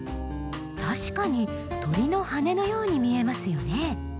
確かに鳥の羽根のように見えますよね。